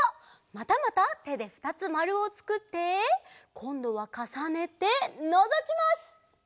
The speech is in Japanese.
またまたてでふたつまるをつくってこんどはかさねてのぞきます！